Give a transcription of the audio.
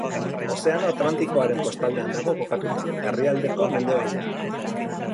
Ozeano Atlantikoaren kostaldean dago kokatuta, herrialdeko mendebaldean.